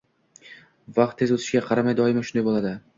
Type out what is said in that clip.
Vaqt tez o‘tishiga qaramay doimo shunday bo‘ladi.